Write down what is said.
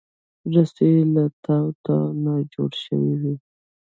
رسۍ له تاو تاو نه جوړه شوې وي.